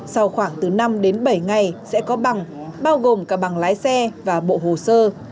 sau khoảng từ năm đến bảy ngày sẽ có bằng bao gồm cả bằng lái xe và bộ hồ sơ